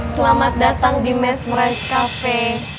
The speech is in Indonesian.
selamat datang di mesrize cafe